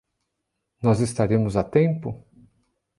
Nós estaremos a tempo?